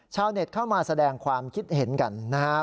ชาวเน็ตเข้ามาแสดงความคิดเห็นกันนะครับ